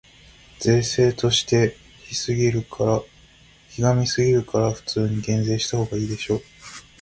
税制として歪すぎるから、普通に減税したほうがいいでしょ。